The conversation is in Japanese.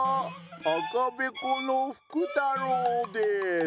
あかべこのふくたろうです。